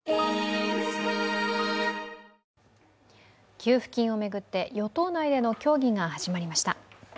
給付金を巡って与党内での協議が始まりました。